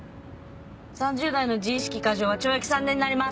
３０代の自意識過剰は懲役３年になります。